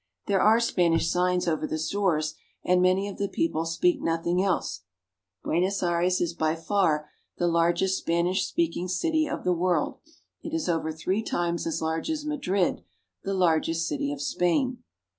There are Spanish signs over the stores, and many of the people speak nothing else. Buenos Aires is by far the largest Spanish speaking city of the world ; it is over three times as large as Madrid, the largest city of Spain.